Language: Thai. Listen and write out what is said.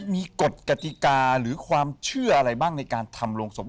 มีกฎกติกาหรือความเชื่ออะไรบ้างในการทำโรงศพ